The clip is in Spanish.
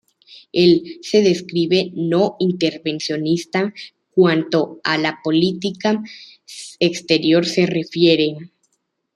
Él se describe no intervencionista cuánto a política exterior se refiere.